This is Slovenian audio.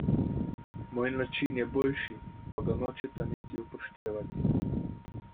Moj način je boljši, pa ga nočeta niti upoštevati.